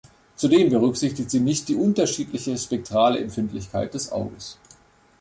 Zudem berücksichtigt sie nicht die unterschiedliche spektrale Empfindlichkeit des Auges.